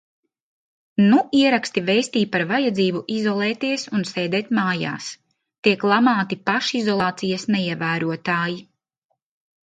Nu ieraksti vēstī par vajadzību izolēties un sēdēt mājās, tiek lamāti pašizolācijas neievērotāji.